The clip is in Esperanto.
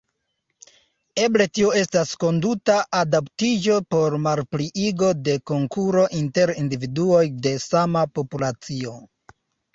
Eble tio estas konduta adaptiĝo por malpliigo de konkuro inter individuoj de sama populacio.